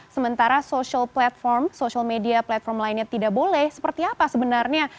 sementara social platform social media platform lainnya tidak boleh seperti apa sebenarnya